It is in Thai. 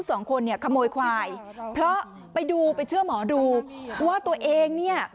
สองสามีภรรยาคู่นี้มีอาชีพ